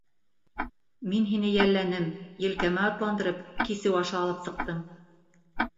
— Мин һине йәлләнем, елкәмә атландырып, кисеү аша алып сыҡтым.